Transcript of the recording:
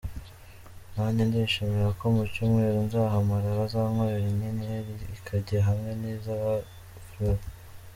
Nange ndishimira ko mu cyumweru nzahamara, bazankorera inyenyeri ikajya hamwe n’iza ba Flavor.